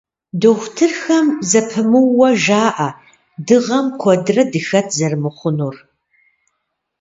Дохутырхэм зэпымыууэ жаӀэ дыгъэм куэдрэ дыхэт зэрымыхъунур.